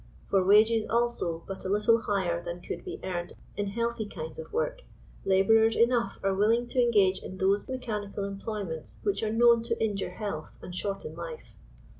For wages also but a little higher than could be earned in healthy kinds of work, laborers enough are willing to engage in those mechani cal employments which are known to injure health and shorten life.